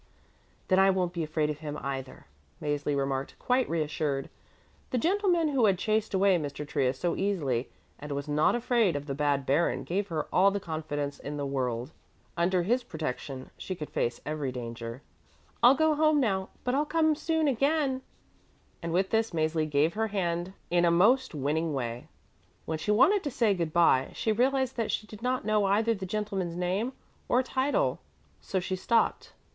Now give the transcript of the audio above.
"Then I won't be afraid of him either," Mäzli remarked, quite reassured. The gentleman who had chased away Mr. Trius so easily and was not afraid of the bad baron gave her all the confidence in the world. Under his protection she could face every danger. "I'll go home now, but I'll come soon again," and with this Mäzli gave her hand in a most winning way. When she wanted to say good bye she realized that she did not know either the gentleman's name or title, so she stopped.